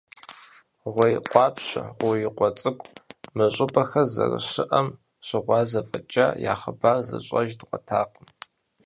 «Гъуей къуапщэ», «Гъуеикъуэ цӀыкӀу» – мы щӀыпӀэхэр зэрыщыӀэм щыгъуазэу фӀэкӀа, я хъыбар зыщӀэж дгъуэтакъым.